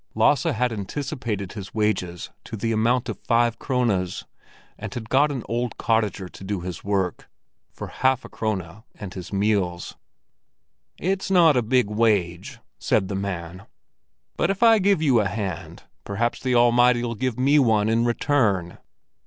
Lasse had anticipated his wages to the amount of five krones, and had got an old cottager to do his work—for half a krone and his meals. "It's not a big wage," said the man; "but if I give you a hand, perhaps the Almighty'll give me one in return."